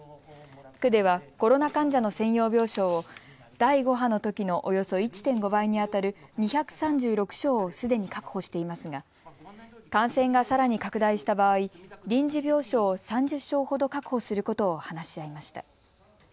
区ではコロナ患者の専用病床を第５波のときのおよそ１．５倍にあたる２３６床をすでに確保していますが感染がさらに拡大した場合、臨時病床を３０床ほど確保することを話し合いました。